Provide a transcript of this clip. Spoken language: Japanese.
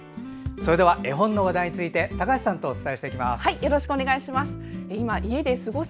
それでは、絵本の話題について高橋さんとお伝えします。